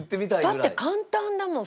だって簡単だもん。